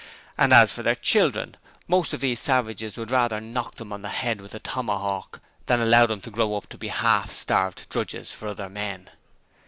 And as for their children most of those savages would rather knock them on the head with a tomahawk than allow them to grow up to be half starved drudges for other men.